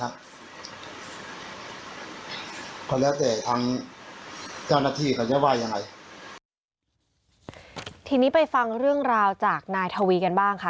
เขาแล้วจะอย่างไรทีนี้ไปฟังเรื่องราวจากนายทวีกันบ้างค่ะ